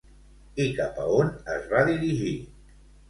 I cap a on es va dirigir?